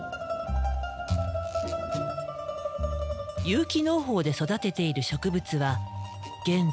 有機農法で育てている植物は現在９０種類。